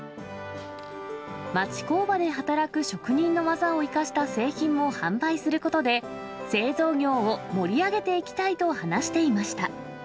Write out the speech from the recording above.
町工場で働く職人の技を生かした製品も販売することで、製造業を盛り上げていきたいと話していました。